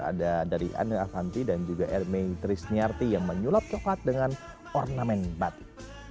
ada dari anne avanti dan juga hermit trisnyarti yang menyulap coklat dengan ornamen batik